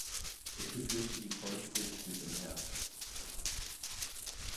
Ich befürchte die kommt spätestens im Herbst.